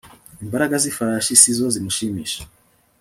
imbaraga z'ifarasi si zo zimushimisha